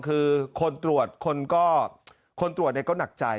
คือคนตรวจคนก็คนตรวจก็หนักใจ